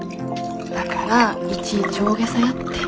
だからいちいち大げさやって。